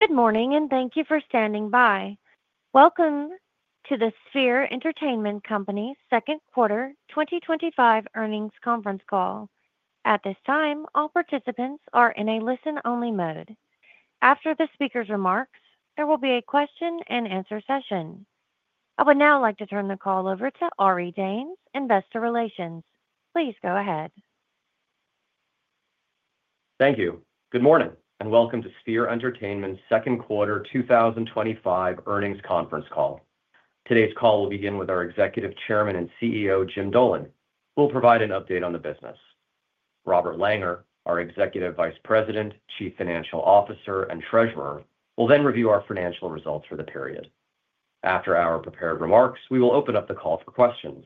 Good morning and thank you for standing by. Welcome to the Sphere Entertainment Co. Second Quarter 2025 Earnings Conference Call. At this time, all participants are in a listen-only mode. After the speaker's remarks, there will be a question and answer session. I would now like to turn the call over to Ari Danes, Investor Relations. Please go ahead. Thank you. Good morning and welcome to Sphere Entertainment Second Quarter 2025 Earnings Conference Call. Today's call will begin with our Executive Chairman and CEO, James Dolan, who will provide an update on the business. Robert Langer, our Executive Vice President, Chief Financial Officer, and Treasurer, will then review our financial results for the period. After our prepared remarks, we will open up the call for questions.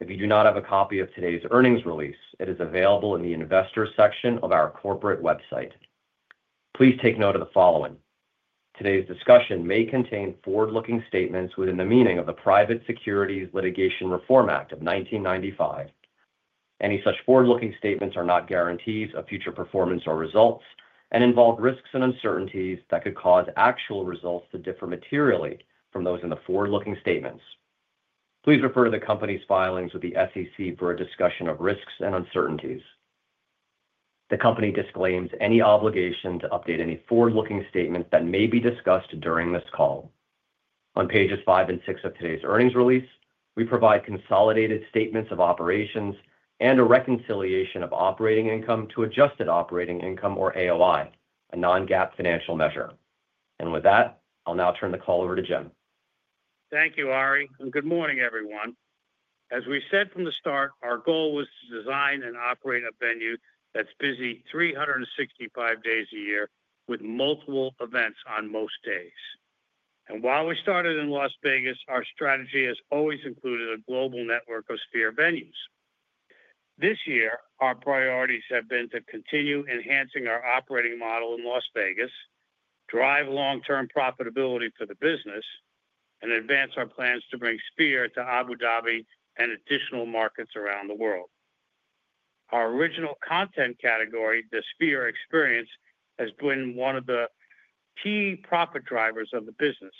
If you do not have a copy of today's earnings release, it is available in the Investors section of our corporate website. Please take note of the following. Today's discussion may contain forward-looking statements within the meaning of the Private Securities Litigation Reform Act of 1995. Any such forward-looking statements are not guarantees of future performance or results and involve risks and uncertainties that could cause actual results to differ materially from those in the forward-looking statements. Please refer to the company's filings with the SEC for a discussion of risks and uncertainties. The company disclaims any obligation to update any forward-looking statements that may be discussed during this call. On pages five and six of today's earnings release, we provide consolidated statements of operations and a reconciliation of operating income to adjusted operating income, or AOI, a non-GAAP financial measure. With that, I'll now turn the call over to James. Thank you, Ari, and good morning, everyone. As we said from the start, our goal was to design and operate a venue that's busy 365 days a year with multiple events on most days. While we started in Las Vegas, our strategy has always included a global network of Sphere venues. This year, our priorities have been to continue enhancing our operating model in Las Vegas, drive long-term profitability for the business, and advance our plans to bring Sphere to Abu Dhabi and additional markets around the world. Our original content category, the Sphere Experience, has been one of the key profit drivers of the business,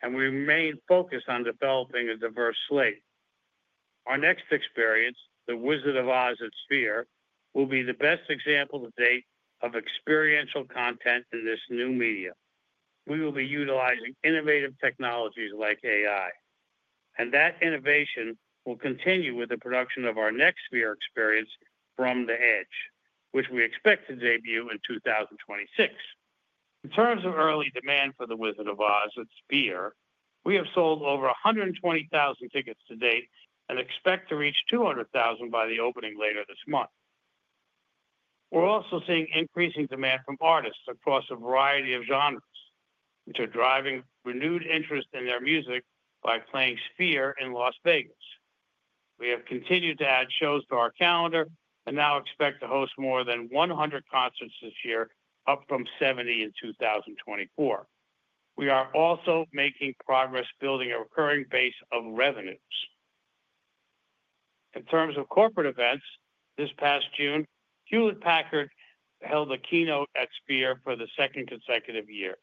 and we remain focused on developing a diverse slate. Our next experience, The Wizard of Oz at Sphere, will be the best example to date of experiential content in this new media. We will be utilizing innovative technologies like AI, and that innovation will continue with the production of our next Sphere Experience, From the Edge, which we expect to debut in 2026. In terms of early demand for The Wizard of Oz at Sphere, we have sold over 120,000 tickets to date and expect to reach 200,000 by the opening later this month. We're also seeing increasing demand from artists across a variety of genres, which are driving renewed interest in their music by playing Sphere in Las Vegas. We have continued to add shows to our calendar and now expect to host more than 100 concerts this year, up from 70 in 2024. We are also making progress building a recurring revenue base. In terms of corporate events, this past June, Hewlett Packard held a keynote at Sphere for the second consecutive year,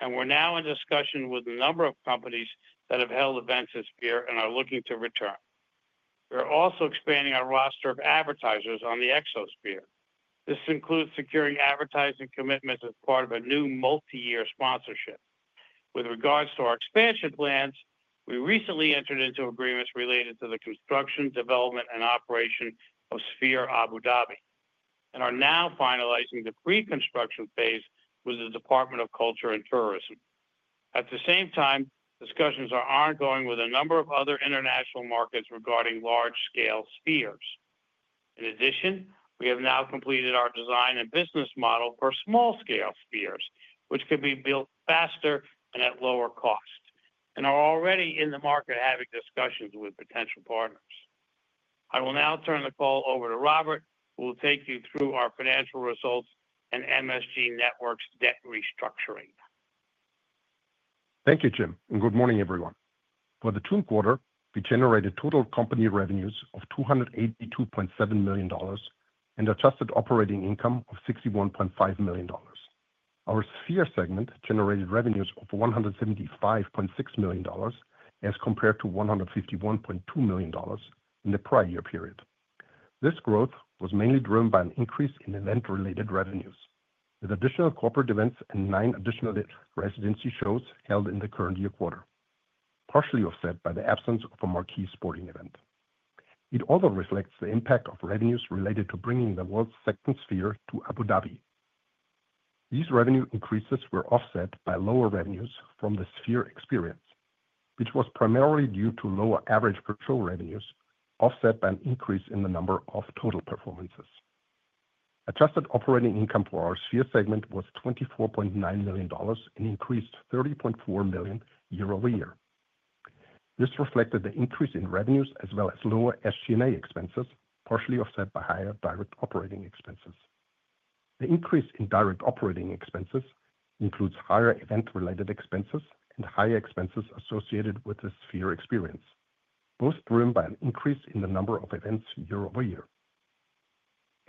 and we're now in discussion with a number of companies that have held events at Sphere and are looking to return. We are also expanding our roster of advertisers on the Exosphere. This includes securing advertising commitments as part of a new multi-year sponsorship. With regards to our expansion plans, we recently entered into agreements related to the construction, development, and operation of Sphere Abu Dhabi and are now finalizing the pre-construction phase with the Department of Culture and Tourism. At the same time, discussions are ongoing with a number of other international markets regarding large-scale Spheres. In addition, we have now completed our design and business model for small-scale Spheres, which can be built faster and at lower costs, and are already in the market having discussions with potential partners. I will now turn the call over to Robert, who will take you through our financial results and MSG Networks debt restructuring. Thank you, Jim, and good morning, everyone. For the June quarter, we generated total company revenues of $282.7 million and adjusted operating income of $61.5 million. Our Sphere segment generated revenues of $175.6 million as compared to $151.2 million in the prior year period. This growth was mainly driven by an increase in event-related revenues, with additional corporate events and nine additional residency shows held in the current year quarter, partially offset by the absence of a marquee sporting event. It also reflects the impact of revenues related to bringing the world's second Sphere to Abu Dhabi. These revenue increases were offset by lower revenues from the Sphere Experience, which was primarily due to lower average virtual revenues offset by an increase in the number of total performances. Adjusted operating income for our Sphere segment was $24.9 million and increased to $30.4 million year-over-year. This reflected the increase in revenues as well as lower SG&A expenses, partially offset by higher direct operating expenses. The increase in direct operating expenses includes higher event-related expenses and higher expenses associated with the Sphere Experience, both driven by an increase in the number of events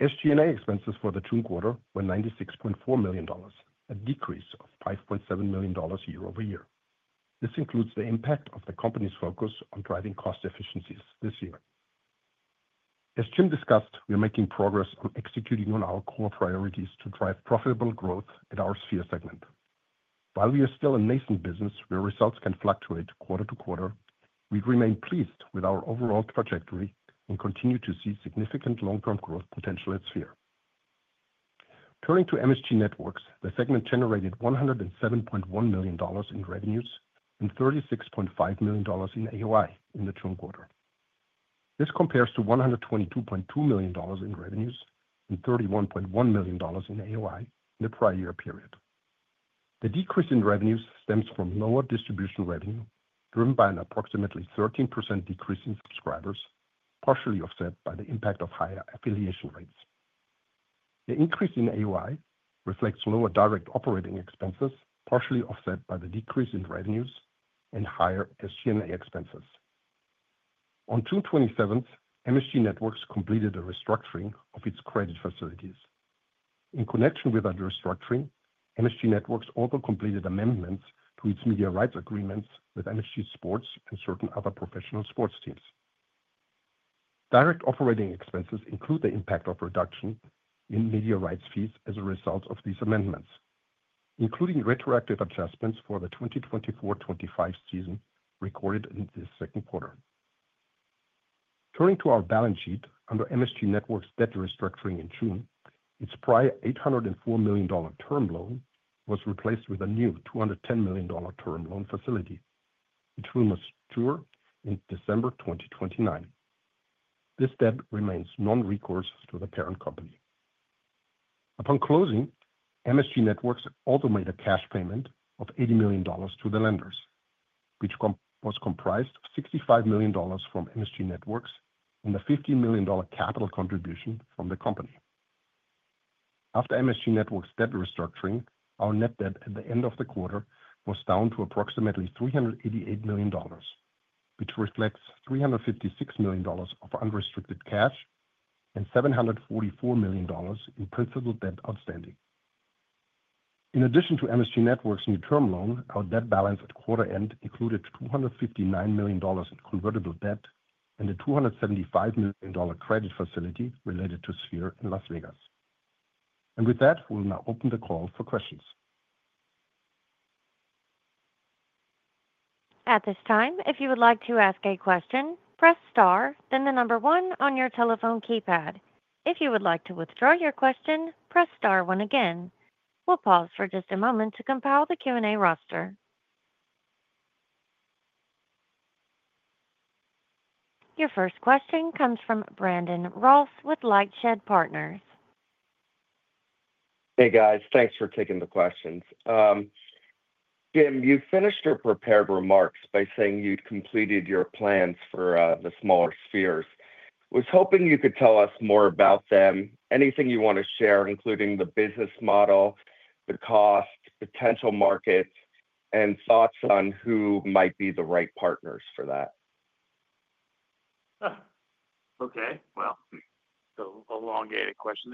year-over-year. SG&A expenses for the June quarter were $96.4 million, a decrease of $5.7 million year-over-year. This includes the impact of the company's focus on driving cost efficiencies this year. As Jim discussed, we are making progress on executing on our core priorities to drive profitable growth at our Sphere segment. While we are still a nascent business where results can fluctuate quarter-to-quarter, we remain pleased with our overall trajectory and continue to see significant long-term growth potential at Sphere. Turning to MSG Networks, the segment generated $107.1 million in revenues and $36.5 million in AOI in the June quarter. This compares to $122.2 million in revenues and $31.1 million in AOI in the prior year period. The decrease in revenues stems from lower distribution revenue, driven by an approximately 13% decrease in subscribers, partially offset by the impact of higher affiliation rates. The increase in AOI reflects lower direct operating expenses, partially offset by the decrease in revenues and higher SG&A expenses. On June 27, MSG Networks completed a restructuring of its credit facilities. In connection with that restructuring, MSG Networks also completed amendments to its media rights agreements with MSG Sports and certain other professional sports teams. Direct operating expenses include the impact of reduction in media rights fees as a result of these amendments, including retroactive adjustments for the 2024-2025 season recorded in this second quarter. Turning to our balance sheet under MSG Networks debt restructuring in June, its prior $804 million term loan was replaced with a new $210 million term loan facility, which will mature in December 2029. This debt remains non-recourse to the parent company. Upon closing, MSG Networks also made a cash payment of $80 million to the lenders, which was comprised of $65 million from MSG Networks and a $15 million capital contribution from the company. After MSG Networks debt restructuring, our net debt at the end of the quarter was down to approximately $388 million, which reflects $356 million of unrestricted cash and $744 million in principal debt outstanding. In addition to MSG Networks' new term loan, our debt balance at quarter end included $259 million in convertible debt and a $275 million credit facility related to Sphere in Las Vegas. With that, we'll now open the call for questions. At this time, if you would like to ask a question, press Star, then the number one on your telephone keypad. If you would like to withdraw your question, press Star, one again. We'll pause for just a moment to compile the Q&A roster. Your first question comes from Brandon Ross with LightShed Partners. Hey guys, thanks for taking the questions. Jim, you finished your prepared remarks by saying you'd completed your plans for the smaller spheres. I was hoping you could tell us more about them. Anything you want to share, including the business model, the cost, potential market, and thoughts on who might be the right partners for that? Okay, it's an elongated question.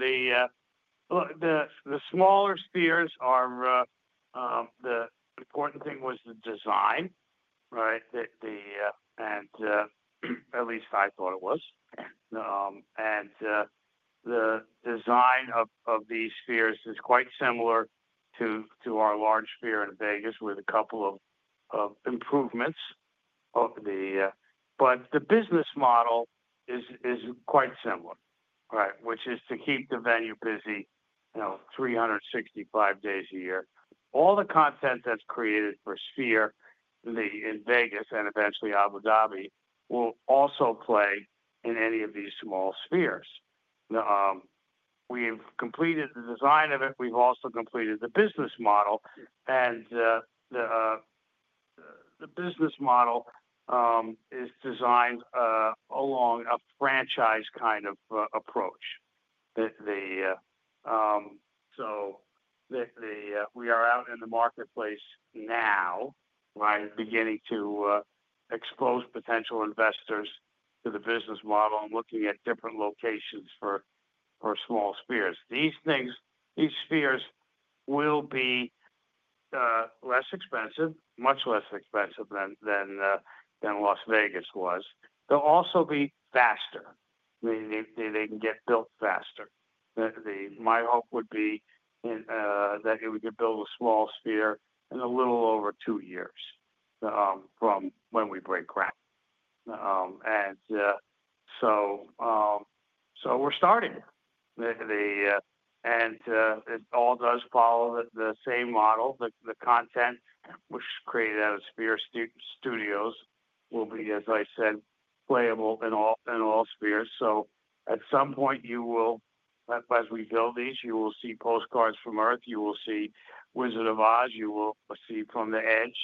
The smaller spheres, the important thing was the design, right? At least I thought it was. The design of these spheres is quite similar to our large Sphere in Las Vegas with a couple of improvements. The business model is quite similar, right? Which is to keep the venue busy, you know, 365 days a year. All the content that's created for Sphere in Las Vegas and eventually Abu Dhabi will also play in any of these small spheres. We've completed the design of it. We've also completed the business model. The business model is designed along a franchise kind of approach. We are out in the marketplace now, beginning to expose potential investors to the business model and looking at different locations for small spheres. These spheres will be less expensive, much less expensive than Las Vegas was. They'll also be faster. I mean, they can get built faster. My hope would be that we could build a small sphere in a little over two years from when we break ground. We're starting. It all does follow the same model. The content, which is created out of Sphere Studios, will be, as I said, playable in all spheres. At some point, as we build these, you will see Postcard from Earth. You will see The Wizard of Oz, you will see From The Edge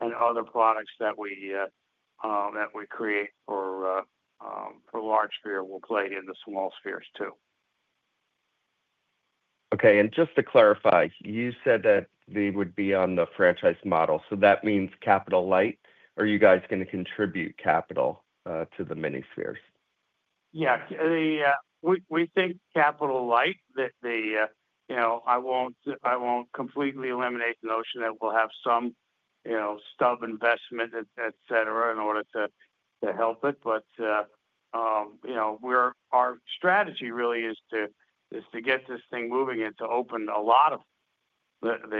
and other products that we create for Large Sphere will play in the small spheres too. Okay, and just to clarify, you said that they would be on the franchise model. That means capital-light? Are you guys going to contribute capital to the mini spheres? Yeah, we think capital-light, you know, I won't completely eliminate the notion that we'll have some, you know, stub investment, etc., in order to help it. Our strategy really is to get this thing moving and to open a lot of them.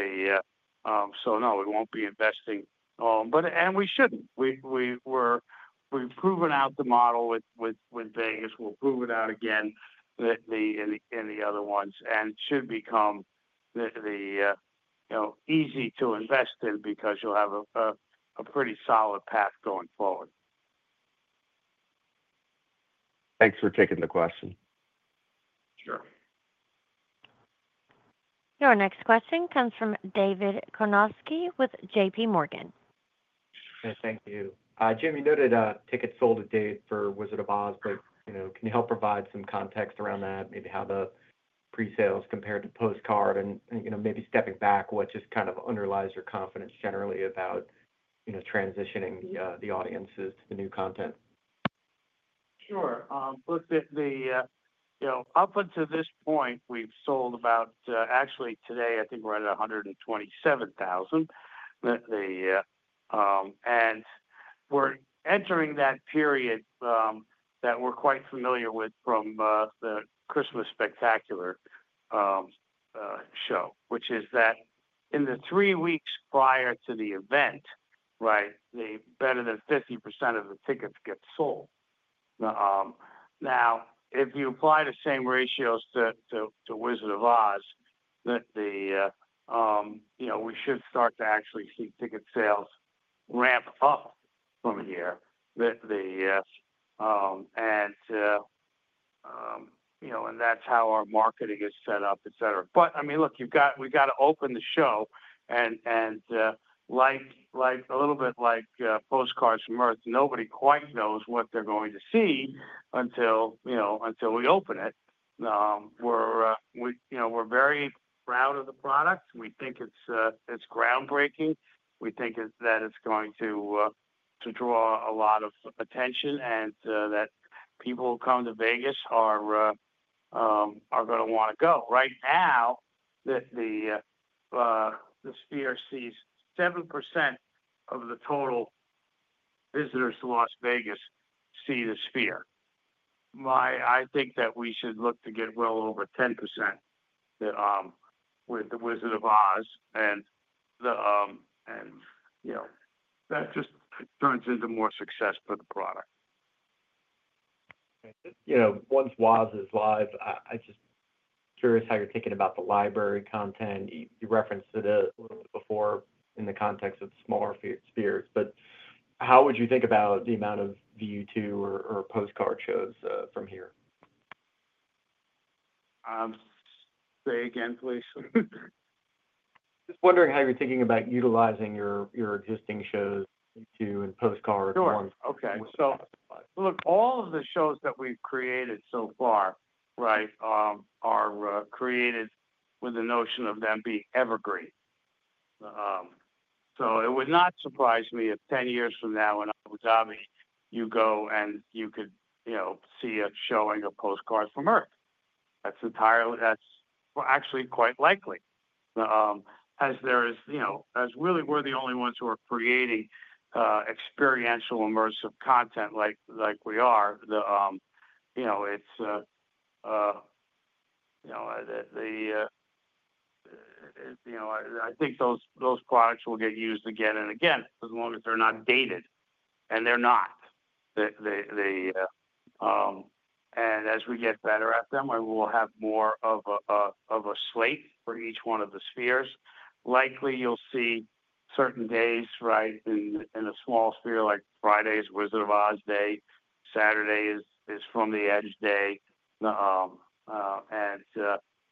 No, we won't be investing, and we shouldn't. We've proven out the model with Vegas. We'll prove it out again in the other ones and it should become easy to invest in because you'll have a pretty solid path going forward. Thanks for taking the question. Sure. Your next question comes from David Karnovsky with JPMorgan. Hey, thank you. Jim, you noted tickets sold to date for The Wizard of Oz. but can you help provide some context around that? Maybe how the pre-sales compared to Postcard and maybe stepping back, what just kind of underlies your confidence generally about transitioning the audiences to the new content? Sure. Look, up until this point, we've sold about, actually today, I think we're at 127,000. We're entering that period that we're quite familiar with from the Christmas Spectacular show, which is that in the three weeks prior to the event, right, better than 50% of the tickets get sold. If you apply the same ratios to The Wizard of Oz. we should start to actually see ticket sales ramp up from here. That's how our marketing is set up, etc. We've got to open the show. Like a little bit like Postcard from Earth, nobody quite knows what they're going to see until we open it. We're very proud of the product. We think it's groundbreaking. We think that it's going to draw a lot of attention and that people who come to Las Vegas are going to want to go. Right now, the Sphere sees 7% of the total visitors to Las Vegas see the Sphere. I think that we should look to get well over 10% with The Wizard of Oz. and that just turns into more success for the product. Once The Wizard of Oz is live, I'm just curious how you're thinking about the library content. You referenced it a little bit before in the context of smaller spheres, but how would you think about the amount of V-U2 or Postcard shows from here? Say again, please. Just wondering how you're thinking about utilizing your existing shows to Postcard from Earth. Sure. Okay. All of the shows that we've created so far are created with the notion of them being evergreen. It would not surprise me if 10 years from now in Abu Dhabi you go and you could see a showing of Postcard from Earth. That's entirely, that's actually quite likely, as really we're the only ones who are creating experiential immersive content like we are. I think those products will get used again and again as long as they're not dated. They're not. As we get better at them, we will have more of a slate for each one of the Spheres. Likely, you'll see certain days in the small Sphere, like Friday is The Wizard of Oz day, Saturday is From the Edge day, and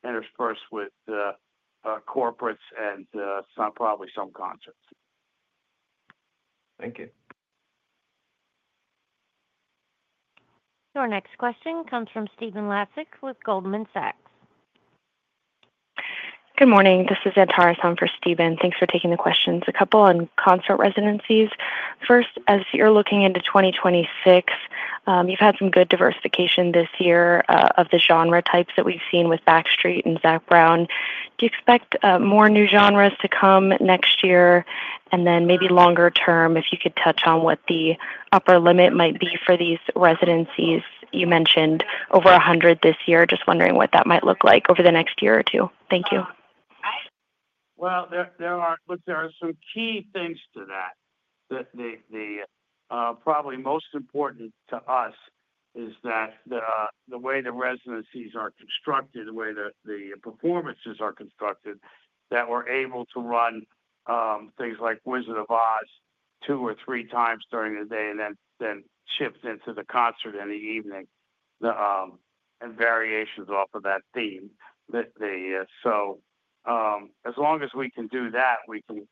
interspersed with corporates and probably some concerts. Thank you. Your next question comes from Stephen Laszczyk with Goldman Sachs. Good morning. This is Antares on for Stephen. Thanks for taking the questions. A couple on concert residencies. First, as you're looking into 2026, you've had some good diversification this year of the genre types that we've seen with Backstreet and Zac Brown. Do you expect more new genres to come next year? Maybe longer term, if you could touch on what the upper limit might be for these residencies, you mentioned over 100 this year. Just wondering what that might look like over the next year or two. Thank you. There are some key things to that. The probably most important to us is that the way the residencies are constructed, the way the performances are constructed, that we're able to run things like The Wizard of Oz 2x or 3x times during the day and then shift into the concert in the evening and variations off of that theme. As long as we can do that, we can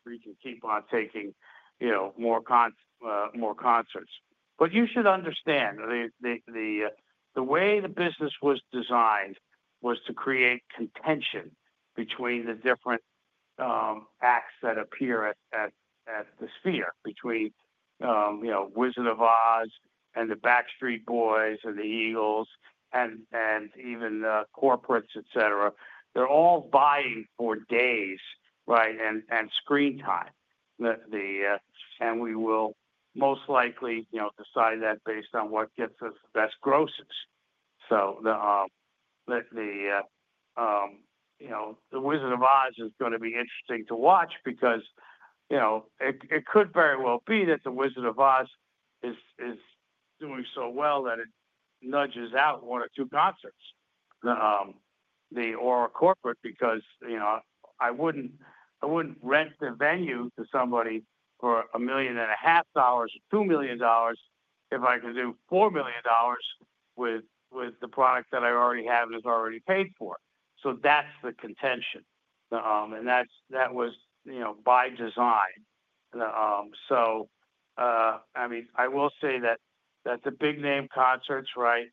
keep on taking, you know, more concerts. You should understand the way the business was designed was to create contention between the different acts that appear at the Sphere, between, you know, The Wizard of Oz and the Backstreet Boys and the Eagles and even corporates, etc. They're all vying for days, right, and screen time. We will most likely, you know, decide that based on what gets us the best grosses. The Wizard of Oz at is going to be interesting to watch because, you know, it could very well be that The Wizard of Oz is doing so well that it nudges out one or two concerts. The aura corporate, because, you know, I wouldn't rent the venue to somebody for $1.5 million or $2 million if I could do $4 million with the product that I already have and is already paid for. That's the contention. That was, you know, by design. I will say that the big name concerts, right,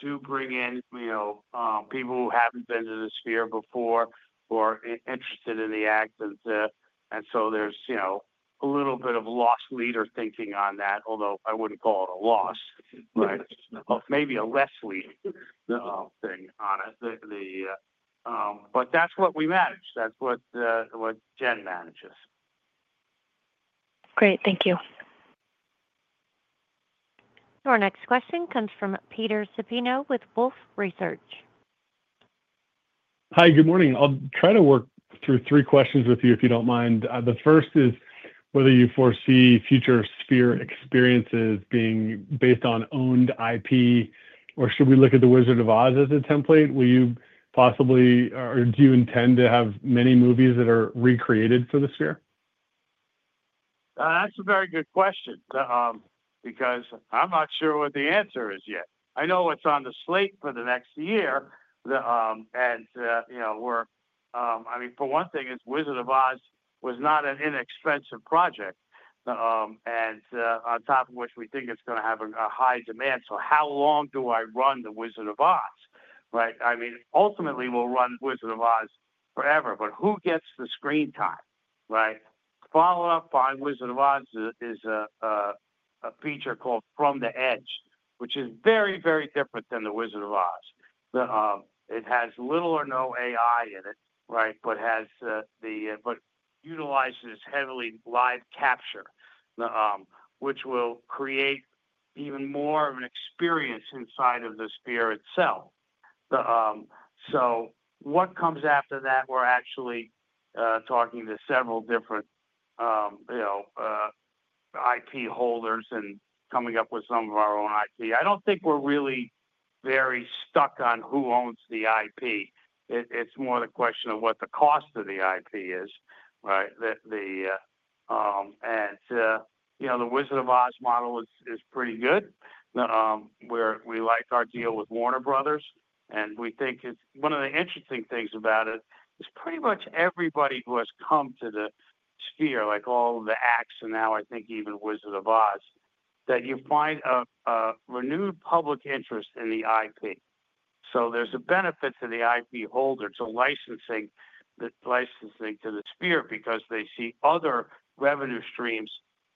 do bring in, you know, people who haven't been to the Sphere before or are interested in the act. There's, you know, a little bit of lost leader thinking on that, although I wouldn't call it a loss, but maybe a less leader thing on it. That's what we manage. That's what Jen manages. Great. Thank you. Our next question comes from Peter Supino with Wolfe Research. Hi, good morning. I'll try to work through three questions with you, if you don't mind. The first is whether you foresee future Sphere Experiences being based on owned IP, or should we look at The Wizard of Oz as a template? Will you possibly, or do you intend to have many movies that are recreated for the Sphere? That's a very good question because I'm not sure what the answer is yet. I know what's on the slate for the next year. For one thing, The Wizard of Oz was not an inexpensive project. On top of which, we think it's going to have a high demand. How long do I run The Wizard of Oz, right? Ultimately, we'll run The Wizard of Oz forever. Who gets the screen time, right? Follow-up on The Wizard of Oz is a feature called From The Edge, which is very, very different than The Wizard of Oz. It has little or no AI in it, right? It utilizes heavily live capture, which will create even more of an experience inside of the Sphere itself. What comes after that? We're actually talking to several different IP holders and coming up with some of our own IP. I don't think we're really very stuck on who owns the IP. It's more the question of what the cost of the IP is, right? The Wizard of Oz model is pretty good. We like our deal with Warner Bros. We think it's one of the interesting things about it. Pretty much everybody who has come to the Sphere, like all of the acts and now I think even The Wizard of Oz that you find a renewed public interest in the IP. There's a benefit to the IP holder to licensing to the Sphere because they see other revenue streams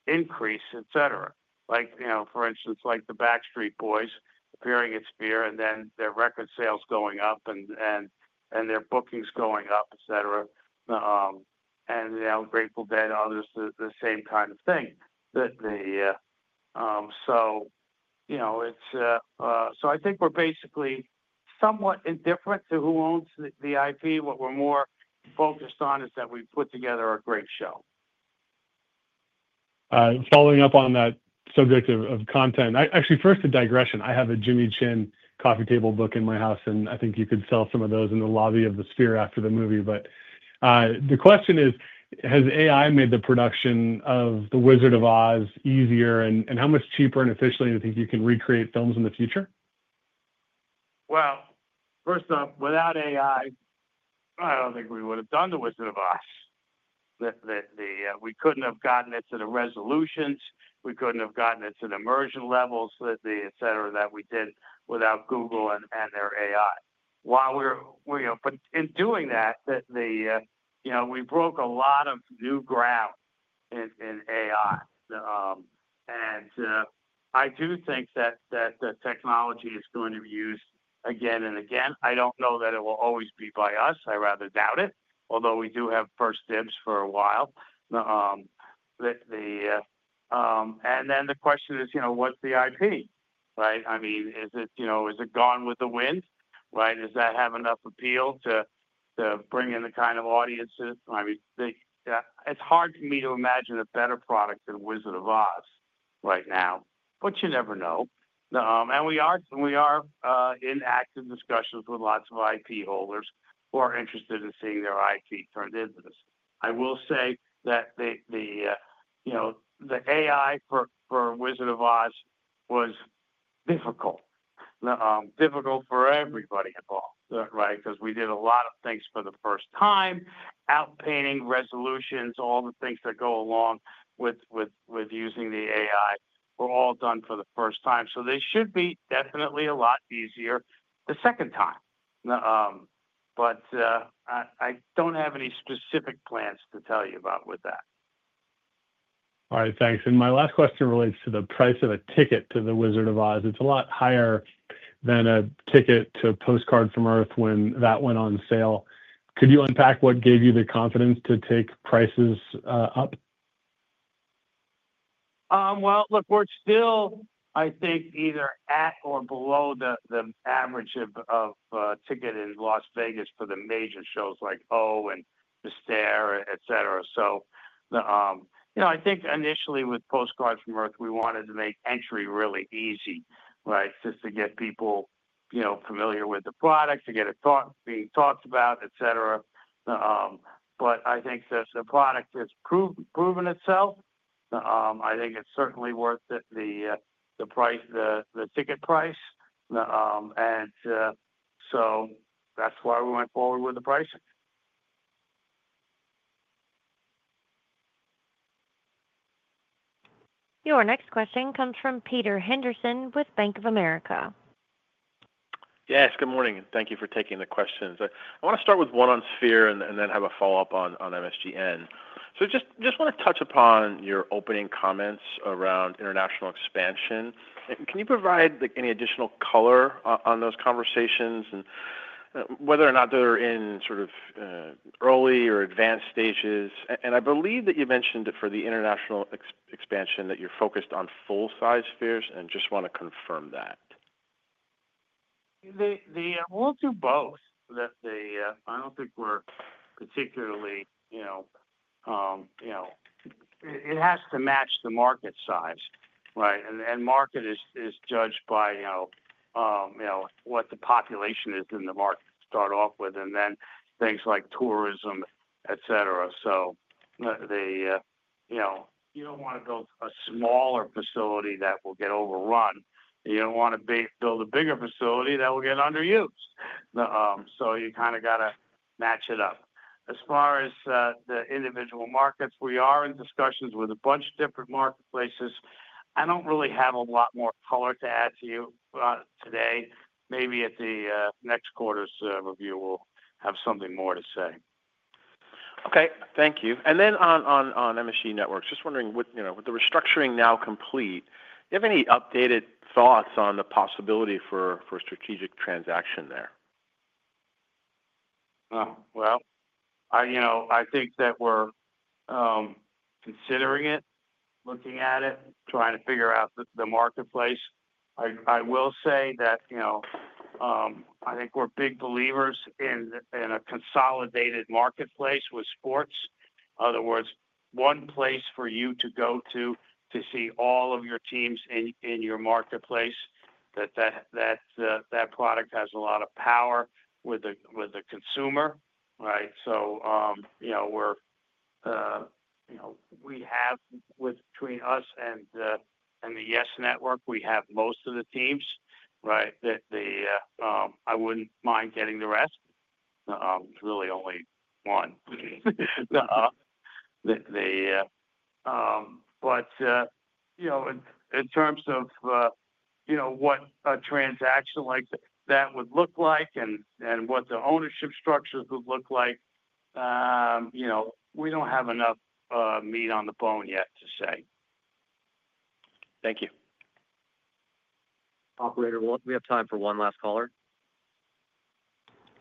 increase, etc. For instance, like the Backstreet Boys appearing at Sphere and then their record sales going up and their bookings going up, etc. Grateful Dead, others, the same kind of thing. I think we're basically somewhat indifferent to who owns the IP. What we're more focused on is that we've put together a great show. Following up on that subject of content, actually, first a digression. I have a Jimmy Chin coffee table book in my house, and I think you could sell some of those in the lobby of the Sphere after the movie. The question is, has AI made the production of The Wizard of Oz easier and how much cheaper and efficiently do you think you can recreate films in the future? First up, without AI, I don't think we would have done The Wizard of Oz. We couldn't have gotten it to the resolutions, we couldn't have gotten it to the immersion levels, etc., that we did without Google and their AI. In doing that, we broke a lot of new ground in AI. I do think that the technology is going to be used again and again. I don't know that it will always be by us. I rather doubt it, although we do have first dibs for a while. The question is, what's the IP, right? I mean, is it, you know, is it Gone with the Wind, right? Does that have enough appeal to bring in the kind of audiences? It's hard for me to imagine a better product than The Wizard of Oz right now, but you never know. We are in active discussions with lots of IP holders who are interested in seeing their IP turned into this. I will say that the AI for The Wizard of Oz atwas difficult. Difficult for everybody involved, right? Because we did a lot of things for the first time, outpainting resolutions, all the things that go along with using the AI, were all done for the first time. They should definitely be a lot easier the second time. I don't have any specific plans to tell you about with that. All right, thanks. My last question relates to the price of a ticket to The Wizard of Oz. It's a lot higher than a ticket to Postcard From Earth when that went on sale. Could you unpack what gave you the confidence to take prices up? I think we're still, either at or below the average ticket in Las Vegas for the major shows like O and Mystère, etc. I think initially with Postcard From Earth, we wanted to make entry really easy, just to get people familiar with the product, to get it being talked about, etc. I think the product has proven itself. I think it's certainly worth the ticket price, and that's why we went forward with the pricing. Your next question comes from Peter Henderson with Bank of America. Yes, good morning and thank you for taking the questions. I want to start with one on Sphere and then have a follow-up on MSGN. I just want to touch upon your opening comments around international expansion. Can you provide any additional color on those conversations and whether or not they're in sort of early or advanced stages? I believe that you mentioned for the international expansion that you're focused on full-size Spheres, and I just want to confirm that. They will do both. I don't think we're particularly, you know, it has to match the market size, right? The market is judged by what the population is in the market to start off with, and then things like tourism, etc. You don't want to build a smaller facility that will get overrun. You don't want to build a bigger facility that will get underused. You kind of got to match it up. As far as the individual markets, we are in discussions with a bunch of different marketplaces. I don't really have a lot more color to add to you today. Maybe at the next quarter's review, we'll have something more to say. Thank you. On MSG Networks, just wondering, with the restructuring now complete, do you have any updated thoughts on the possibility for a strategic transaction there? I think that we're considering it, looking at it, trying to figure out the marketplace. I will say that I think we're big believers in a consolidated marketplace with sports. In other words, one place for you to go to see all of your teams in your marketplace. That product has a lot of power with the consumer, right? We have between us and the Yes Network, we have most of the teams, right? I wouldn't mind getting the rest. It's really only one. In terms of what a transaction like that would look like and what the ownership structures would look like, we don't have enough meat on the bone yet to say. Thank you. Operator, we have time for one last caller.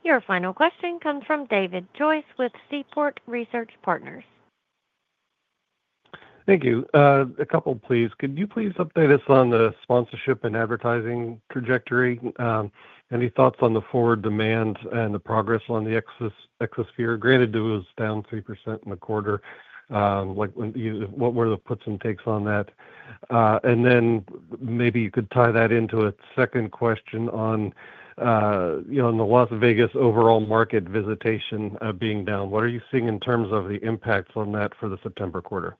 Your final question comes from David Joyce with Seaport Research Partners. Thank you. A couple, please. Can you please update us on the sponsorship and advertising trajectory? Any thoughts on the forward demand and the progress on the Exosphere? Granted, it was down 3% in the quarter. What were the puts and takes on that? Maybe you could tie that into a second question on, you know, in the Las Vegas overall market visitation being down. What are you seeing in terms of the impacts on that for the September quarter?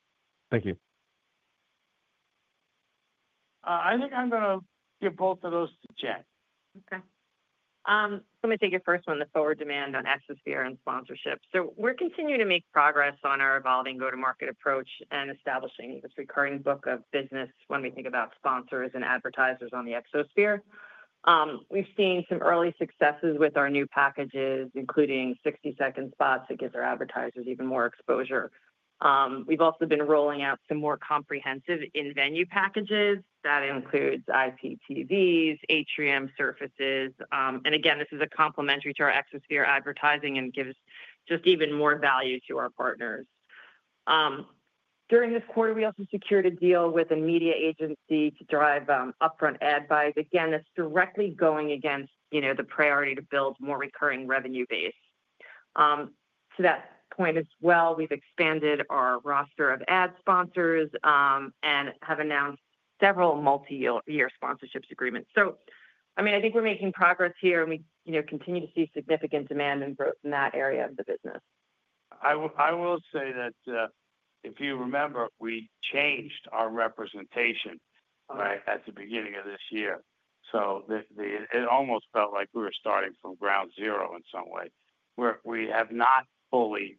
Thank you. I think I'm going to give both of those to Jen. Okay. Let me take your first one, the forward demand on Exosphere and sponsorship. We are continuing to make progress on our evolving go-to-market approach and establishing this recurring book of business when we think about sponsors and advertisers on the Exosphere. We've seen some early successes with our new packages, including 60-second spots that give our advertisers even more exposure. We've also been rolling out some more comprehensive in-venue packages that include IPTVs and Atrium Services. This is complementary to our Exosphere advertising and gives even more value to our partners. During this quarter, we also secured a deal with a media agency to drive upfront ad buys. That is directly going against the priority to build more recurring revenue base. To that point as well, we've expanded our roster of ad sponsors and have announced several multi-year sponsorship agreements. I think we're making progress here and we continue to see significant demand and growth in that area of the business. I will say that if you remember, we changed our representation at the beginning of this year. It almost felt like we were starting from ground zero in some way. We have not fully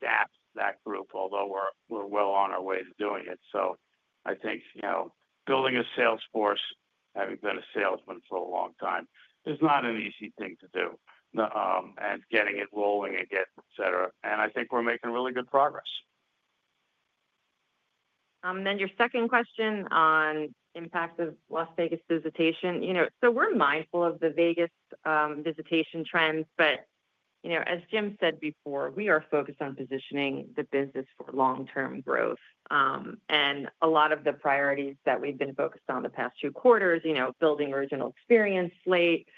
adapted that group, although we're well on our way to doing it. I think building a sales force, having been a salesman for a long time, is not an easy thing to do. Getting it rolling again, etc. I think we're making really good progress. Your second question on impacts of Las Vegas visitation. We're mindful of the Vegas visitation trends, but as Jim said before, we are focused on positioning the business for long-term growth. A lot of the priorities that we've been focused on the past two quarters, building original experience slates,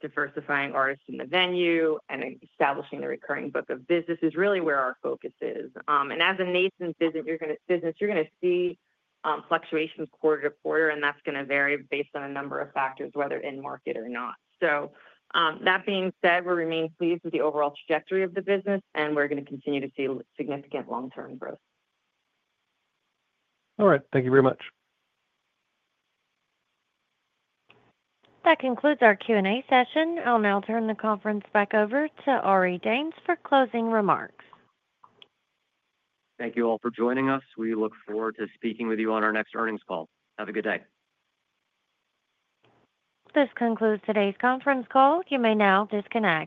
diversifying artists in the venue, and establishing the recurring book of business, is really where our focus is. As a nascent business, you're going to see fluctuations quarter to quarter, and that's going to vary based on a number of factors, whether in market or not. That being said, we remain pleased with the overall trajectory of the business, and we're going to continue to see significant long-term growth. All right, thank you very much. That concludes our Q&A session. I'll now turn the conference back over to Ari Danes for closing remarks. Thank you all for joining us. We look forward to speaking with you on our next earnings call. Have a good day. This concludes today's conference call. You may now disconnect.